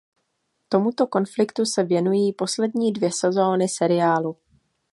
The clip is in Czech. Tomuto konfliktu se věnují poslední dvě sezóny seriálu.